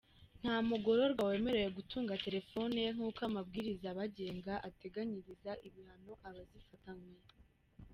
Nta mugororwa wemerewe gutunga telefone, nk’uko amabwiriza abagenga ateganyiriza ibihano abazifatanwe.